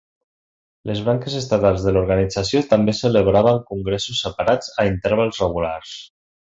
Les branques estatals de l'organització també celebraven congressos separats a intervals regulars.